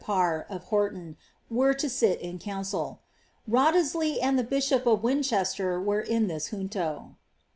Parr,^ of Horton, were lit in council. Wriothesley and the bishop of Winchester were in i junto.